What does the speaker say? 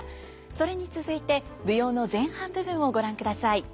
それに続いて舞踊の前半部分をご覧ください。